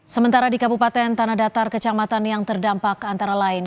sementara di kabupaten tanah datar kecamatan yang terdampak antara lain